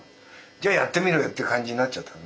じゃあやってみろよって感じになっちゃった。